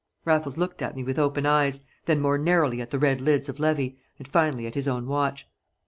Raffles looked at me with open eyes, then more narrowly at the red lids of Levy, and finally at his own watch.